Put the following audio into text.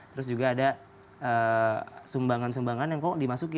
terus juga ada sumbangan sumbangan yang kok dimasukin